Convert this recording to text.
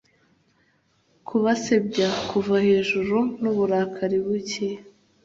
kubasebya kuva hejuru n'uburakari buke